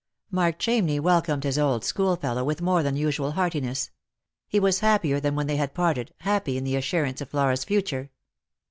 Mark Chamney welcomed his old schoolfellow with more than usual heartiness. He was happier than when they had parted, happy in the assurance of Flora's future.